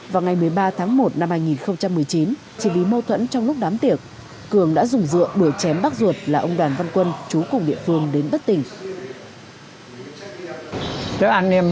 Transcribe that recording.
vào ngày một mươi ba tháng một năm hai nghìn một mươi chín chỉ vì mâu thuẫn trong lúc đám tiệc cường đã dùng dựa đuổi chém bác ruột là ông đoàn văn quân chú cùng địa phương đến bất tỉnh